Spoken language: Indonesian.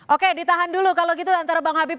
oke ditahan dulu kalau gitu antara bang habib